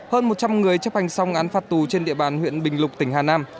hơn một trăm linh người chấp hành xong án phạt tù trên địa bàn huyện bình lục tỉnh hà nam